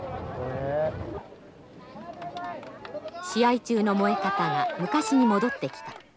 試合中の燃え方が昔に戻ってきた。